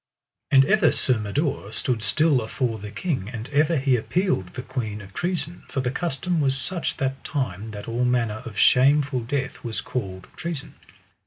And ever Sir Mador stood still afore the king, and ever he appealed the queen of treason; for the custom was such that time that all manner of shameful death was called treason.